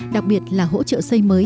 đặc biệt là hỗ trợ xây mới